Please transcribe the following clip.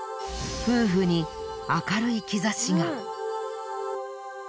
夫婦に明るい兆しが。